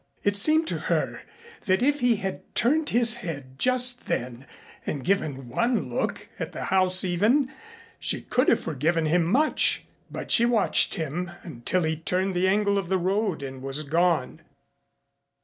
It seemed to her that if he had turned his head just then and given one look at the house even, she could have forgiven him much, but she watched him until he turned the angle of the road and was gone.